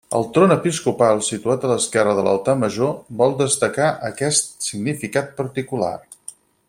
El tron episcopal, situat a l'esquerra de l'altar major, vol destacar aquest significat particular.